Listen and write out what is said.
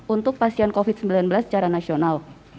untuk pasien covid sembilan belas secara nasional